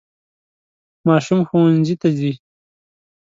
ماشوم ښوونځي ته ځي.